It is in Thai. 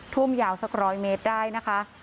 ท่วมยาวสัก๑๐๐เมตรได้นะคะ